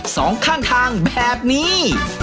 สองข้างทางแบบนี้